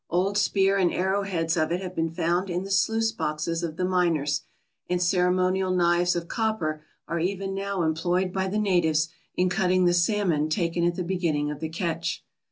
Old spear and arrow heads of it have been found in the sluice boxes of the miners, and ceremonial knives of copper are even now employed by the natives in cutting the salmon taken at the beginning of the catch.